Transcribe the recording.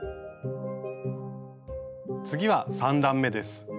次は３段めです。